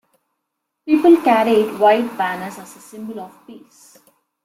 The people carried white banners as a symbol of peace.